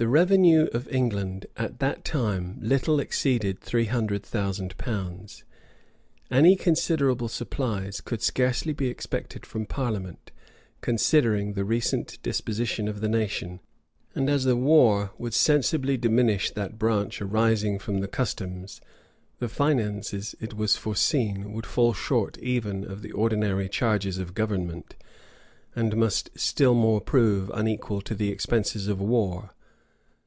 The revenue of England at that time little exceeded three hundred thousand pounds.[] Any considerable supplies could scarcely be expected from parliament, considering the present disposition of the nation; and as the war would sensibly diminish that branch arising from the customs, the finances, it was foreseen, would fall short even of the ordinary charges of government, and must still more prove unequal to the expenses of war.